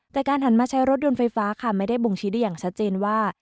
แต่การหันมาใช้รถยนต์ไฟฟ้าค่ะไม่ได้บ่งชี้ได้อย่างชัดเจนว่า